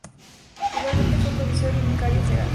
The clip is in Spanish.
Igualmente fue provisor y vicario general.